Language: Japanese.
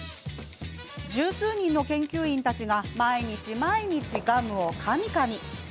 十数人の研究員たちが毎日毎日ガムをかみかみ。